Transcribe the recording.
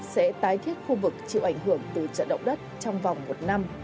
sẽ tái thiết khu vực chịu ảnh hưởng từ trận động đất trong vòng một năm